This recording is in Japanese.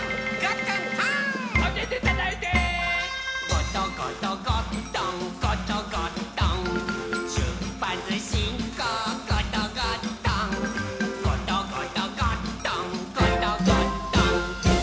「ゴトゴトゴットンゴトゴットン」「しゅっぱつしんこうゴトゴットン」「ゴトゴトゴットンゴトゴットン」